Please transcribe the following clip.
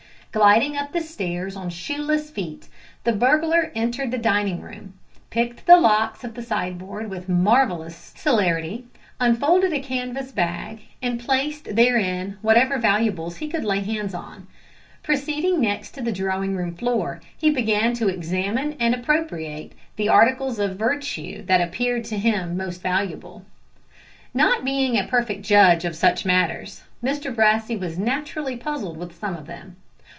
Gliding up the stairs on shoeless feet the burglar entered the dining room, picked the locks of the sideboard with marvellous celerity, unfolded a canvas bag, and placed therein whatever valuables he could lay hands on. Proceeding next to the drawing room floor, he began to examine and appropriate the articles of vertu that appeared to him most valuable. Not being a perfect judge of such matters, Mr Brassey was naturally puzzled with some of them.